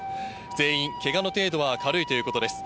全員けがの程度は軽いということです。